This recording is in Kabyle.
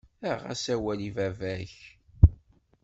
Aɣ-as awal i baba-k.